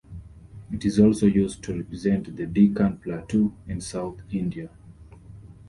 It is also used to represent the Deccan Plateau and south India.